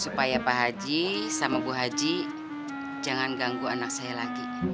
supaya pak haji sama bu haji jangan ganggu anak saya lagi